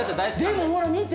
でもほら見て。